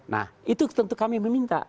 nah itu tentu kami meminta